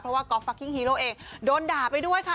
เพราะว่าก๊อฟฟักกิ้งฮีโร่เองโดนด่าไปด้วยค่ะ